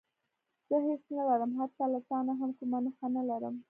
زه هېڅ نه لرم حتی له تا نه هم کومه نښه نه لرم.